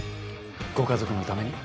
ご家族のために